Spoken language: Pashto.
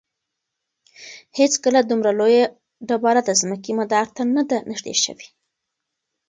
هیڅکله دومره لویه ډبره د ځمکې مدار ته نه ده نږدې شوې.